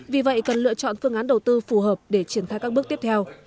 vì vậy cần lựa chọn phương án đầu tư phù hợp để triển thai các bước tiếp theo